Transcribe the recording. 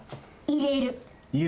入れる！